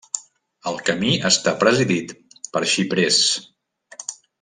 El camí està presidit per xiprers.